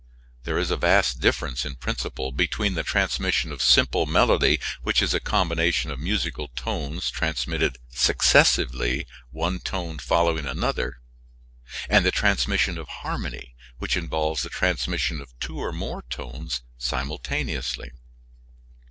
There is a vast difference, in principle, between the transmission of simple melody, which is a combination of musical tones transmitted successively one tone following another and the transmission of harmony, which involves the transmission of two or more tones simultaneously.